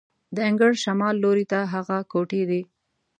د انګړ شمال لوري ته هغه کوټې دي.